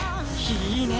いいね！